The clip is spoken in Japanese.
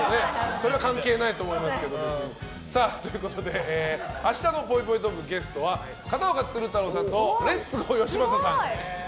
それは関係ないと思いますけど。ということで明日のぽいぽいトーク、ゲストは片岡鶴太郎さんとレッツゴーよしまささん。